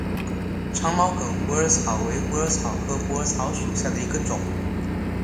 长毛梗虎耳草为虎耳草科虎耳草属下的一个种。